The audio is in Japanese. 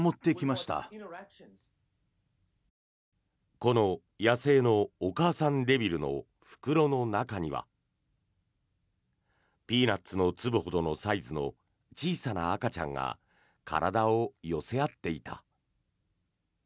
この野生のお母さんデビルの袋の中にはピーナツの粒ほどのサイズの小さな赤ちゃんが体を寄せ合っていた。